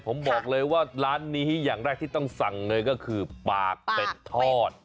ผมบอกเลยว่าร้านนี้อย่างแรกที่ต้องสั่งเลยก็คือปากเป็ดทอด